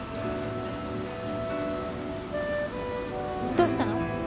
どうしたの？